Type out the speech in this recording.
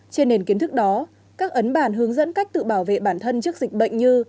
trên nền kiến thức đó các ấn bản hướng dẫn cách tự bảo vệ bản thân trước dịch bệnh như